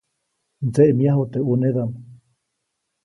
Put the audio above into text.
Mdseʼmyaju teʼ ʼunedaʼm.